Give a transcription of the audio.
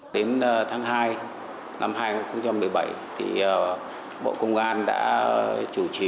đến tháng hai năm hai nghìn một mươi bảy bộ công an đã chủ trì